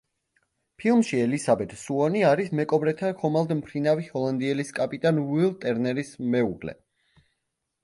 ფილმში ელიზაბეთ სუონი არის მეკობრეთა ხომალდ „მფრინავი ჰოლანდიელის“ კაპიტან უილ ტერნერის მეუღლე.